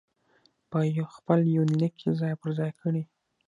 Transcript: په خپل يونليک کې ځاى په ځاى کړي